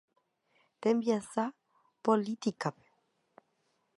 Tembiasa políticape.